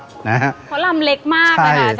เพราะลำเล็กมากนะอาจารย์